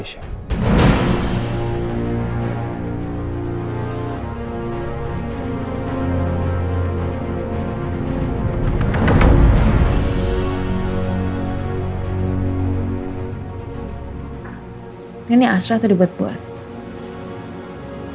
ini asrat dibuat buat